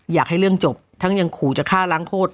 อยากให้เรื่องจบทั้งยังขู่จะฆ่าล้างโคตร